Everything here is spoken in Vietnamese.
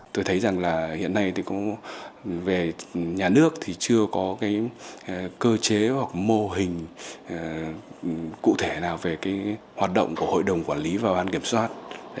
tôi thấy rằng hiện nay về nhà nước thì chưa có cơ chế hoặc mô hình cụ thể nào về hoạt động của hội đồng quản lý và ban kiểm soát